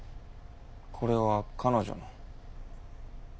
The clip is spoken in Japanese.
これは彼女の。